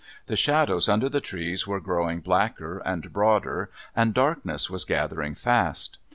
The shadows under the trees were growing blacker and broader and darkness was gathering fast.